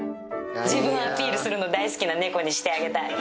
自分アピールするの大好きな猫にしてあげたい。